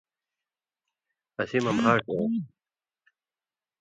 اسی مہ بھاݜ ایوں